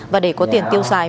và để có tiền tiêu xài